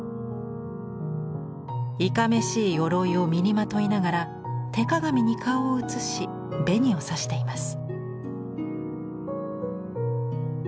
いかめしい鎧を身にまといながら手鏡に顔を映し紅をさしています。